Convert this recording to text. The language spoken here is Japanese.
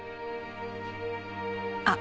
あっ！